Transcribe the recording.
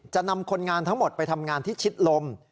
จะนำคนงานทั้งหมดไปทำงานที่ชิดลม